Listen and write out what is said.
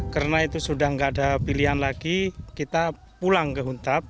karena itu sudah tidak ada pilihan lagi kita pulang ke huntap